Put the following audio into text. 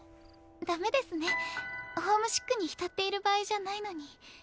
ダメですねホームシックに浸っている場合じゃないのに。